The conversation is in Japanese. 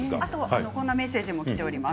こんなメッセージもきています。